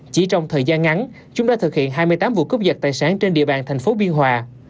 chỉ trong thời gian ngắn chúng đã thực hiện hai mươi tám vụ cướp giật tài sản trên địa bàn thành phố biên hòa